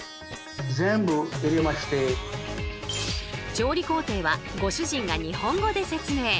調理工程はご主人が日本語で説明。